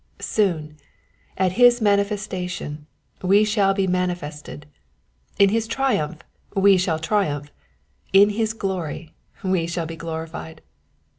Soon, at his manifestation, we shall be manifested ; in his triumph, we shall triumph ; in his glory, we shall be glorified.